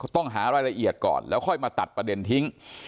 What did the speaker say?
ต้องหารายละเอียดก่อนแล้วค่อยมาตัดประเด็นทิ้ง